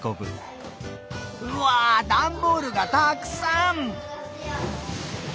うわダンボールがたくさん！